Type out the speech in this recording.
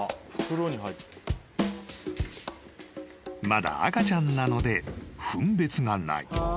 ［まだ赤ちゃんなので分別がない］